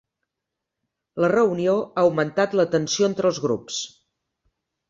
La reunió ha augmentat la tensió entre els grups.